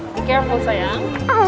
be careful sayang